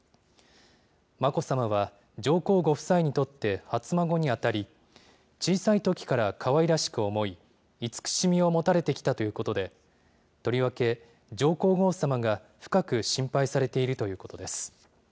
眞子さまは上皇ご夫妻にとって初孫に当たり、小さいときからかわいらしく思い、慈しみを持たれてきたということで、とりわけ、上皇后さまが深く心配されているということです。